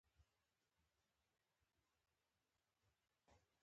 دا ښارونه د چاپیریال د مدیریت لپاره مهم دي.